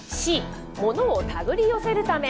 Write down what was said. Ｃ、ものを手繰り寄せるため。